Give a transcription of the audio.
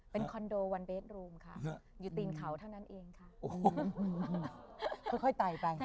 เป็นคอนโดวันเบสรูมค่ะอยู่ตีนเขาเท่านั้นเองค่ะค่อยไตไป